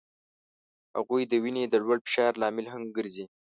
هغوی د وینې د لوړ فشار لامل هم ګرځي.